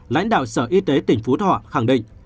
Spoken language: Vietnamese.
lãnh đạo sở y tế tỉnh phú thọ khẳng định